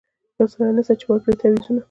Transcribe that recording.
یو سړی نسته چي ورکړي تعویذونه